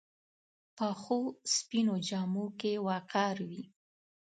پخو سپینو جامو کې وقار وي